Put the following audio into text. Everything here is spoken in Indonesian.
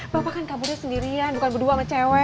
bapak kan kaburnya sendirian bukan berdua sama cewek